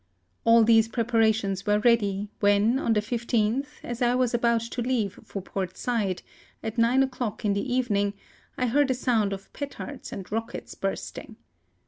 All these preparations were ready when, on the 15th, as I was about to leave for Port Said, at nine o'clock in the even ing, I heard a sound of petards and rockets bursting.